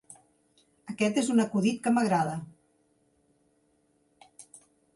Aquest és un acudit que m'agrada.